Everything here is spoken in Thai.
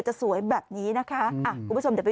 แล้วก็ขอบคุณทีมช่างแต่งหน้าของคุณส้มที่ให้เรานำเสนอข่าวนี้